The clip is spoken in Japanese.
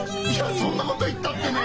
そんなこと言ったってね！